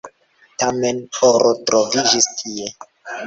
Tamen oro troviĝis tie.